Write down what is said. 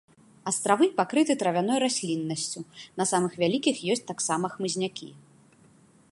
Астравы пакрыты травяной расліннасцю, на самых вялікіх ёсць таксама хмызнякі.